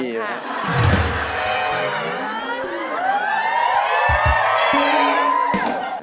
ก็ไม่ค่อยมีอะ